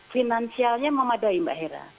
finansialnya memadai mbak hera